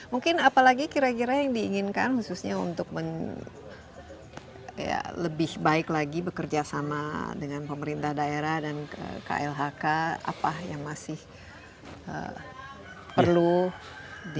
mungkin apalagi kira kira yang diinginkan khususnya untuk lebih baik lagi bekerja sama dengan pemerintah daerah dan klhk apa yang masih perlu di